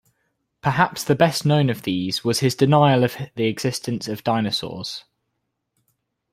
Perhaps the best-known of these was his denial of the existence of dinosaurs.